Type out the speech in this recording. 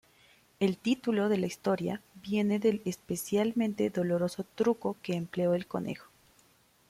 El título de la historia viene del especialmente doloroso truco que empleó el conejo.